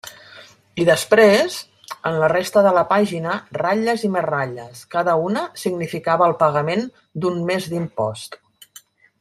I després, en la resta de la pàgina, ratlles i més ratlles; cada una significava el pagament d'un mes d'impost.